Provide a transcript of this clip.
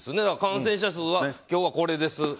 感染者数は今日これです。